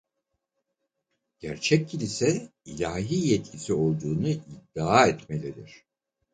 Gerçek Kilise ilahi yetkisi olduğunu iddia etmelidir.